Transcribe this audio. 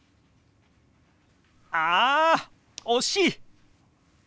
あ惜しい！